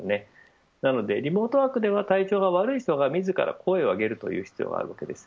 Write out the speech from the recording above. なのでリモートワークでは体調が悪い人が自ら声を上げるという必要があります。